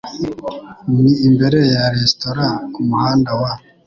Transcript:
Ni imbere ya resitora kumuhanda wa